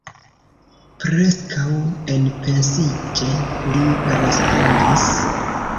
Preskaŭ enpensiĝe li respondis: